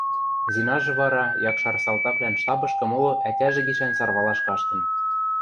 Зинажы вара якшар салтаквлӓн штабышкы моло ӓтяжӹ гишӓн сарвалаш каштын.